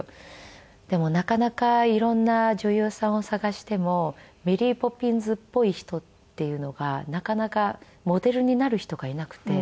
でもなかなか色んな女優さんを探してもメリー・ポピンズっぽい人っていうのがなかなかモデルになる人がいなくて。